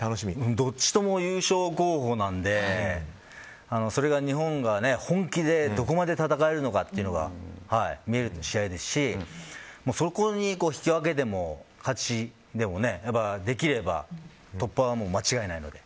どっちとも優勝候補なので日本が本気でどこまで戦えるのかが見れる試合ですしそこに引き分けでも勝ちでもできれば突破は間違いないので。